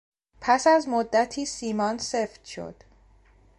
پس از مدتی سیمان سفت شد.